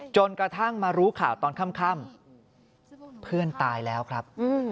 จนกระทั่งมารู้ข่าวตอนค่ำเพื่อนตายแล้วครับ